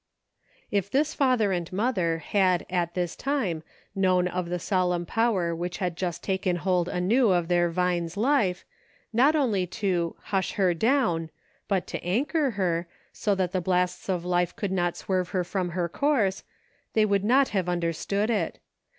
If this father and mother had at this time known of the solemn Power which had just taken hold anew of their Vine's life, not only to "hush her down," but to anchor her, so that the blasts of life could not swerve her from her course, they would not have understood it.